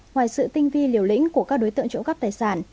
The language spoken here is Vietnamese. ngoài sự tinh vi liều lĩnh của các đối tượng trộm cắp tài sản